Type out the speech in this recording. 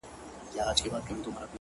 خو اوس د اوښكو سپين ځنځير پر مخ گنډلی!